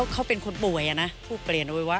เขาเป็นคนป่วยนะผู้เปลี่ยนอวัยวะ